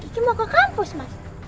ki mau ke kampus mas